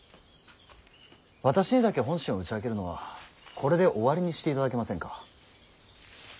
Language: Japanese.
私にだけ本心を打ち明けるのはこれで終わりにしていただけませんか。